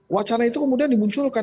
wacana itu kemudian dimunculkan